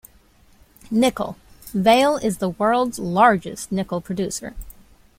Nickel: Vale is the world's largest nickel producer.